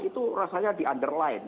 itu rasanya di underline